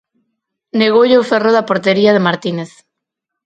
Negoullo o ferro da portería de Martínez.